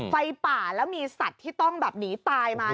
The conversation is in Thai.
ไฟป่าแล้วมีสัตว์ที่ต้องแบบหนีตายมา